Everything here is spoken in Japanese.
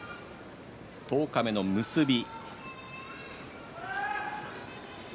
十日目の結び。